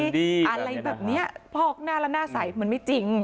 อะไรแบบนี้พอกหน้าแล้วหน้าใสมันไม่จริง